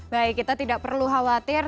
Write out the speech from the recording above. baik kita tidak perlu khawatir